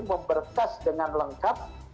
memberkas dengan lengkap